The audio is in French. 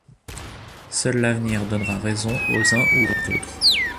Seul l'avenir donnera raison aux uns ou aux autres.